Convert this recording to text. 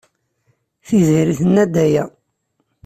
Tiziri tenna-d aya.